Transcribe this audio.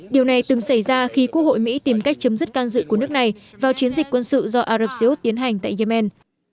điều này từng xảy ra khi quốc hội mỹ tìm cách chấm dứt can dự của nước này vào chiến dịch quân sự do arab seyoud tiến hành tại yemen